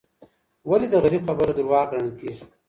ولي د غریب خبره دروغ ګڼل کیږي؟